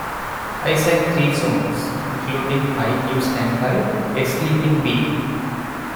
I sang three songs, including my new standby "A Sleepin' Bee".